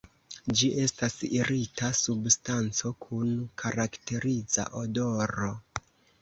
Ĝi estas irita substanco kun karakteriza odoro.